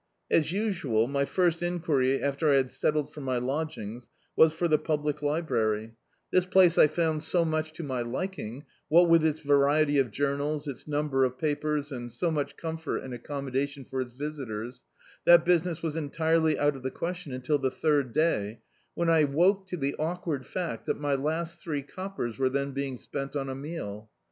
As usual, my first enquiry after I had settled for my lodgings, was for the public library. This Dictzed by Google The Autobiography of a Super Tramp place I found so much to my liking, what with its variety of journals, its number of papers, and so much comfort and accommodation for its visitors — that business was entirely out of the questitm until the third day, when I woke to the awkward fact that my last three coppers were then being spent (Ml a meal.